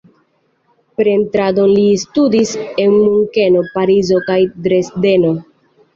Pentradon li studis en Munkeno, Parizo kaj Dresdeno.